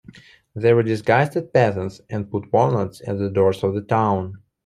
They were disguised as peasants and put walnuts at the doors of the town.